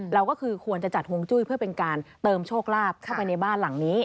เราก็คือควรจะจัดฮวงจุ้ยเพื่อเป็นการเติมโชคลาภเข้าไปในบ้านหลังนี้